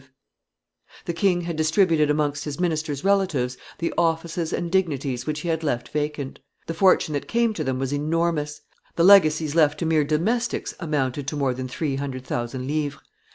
[Illustration: The Palais Cardinal 305] The king had distributed amongst his minister's relatives the offices and dignities which he had left vacant; the fortune that came to them was enormous; the legacies left to mere domestics amounted to more than three hundred thousand livres.